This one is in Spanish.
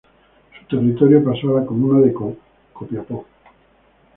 Su territorio pasó a la comuna de Copiapó.